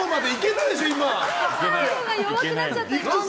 最後が弱くなっちゃった。